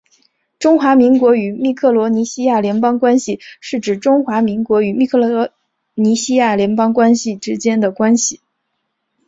中华民国与密克罗尼西亚联邦关系是指中华民国与密克罗尼西亚联邦之间的关系。